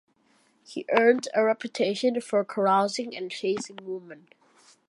He earned a reputation for carousing and chasing women.